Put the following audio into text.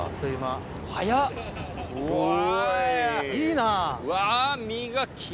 いいな！